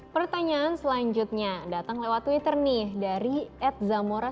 pertanyaan selanjutnya datang lewat twitter nih dari atzamora sembilan puluh lima